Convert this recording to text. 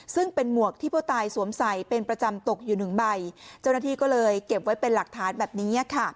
ซึ่งเป็นหมวกที่ผู้ตายสวมใส่เป็นประจำตกอยู่หนึ่งใบเจ้าหน้าที่ก็เลยเก็บไว้เป็นหลักฐานแบบนี้ค่ะ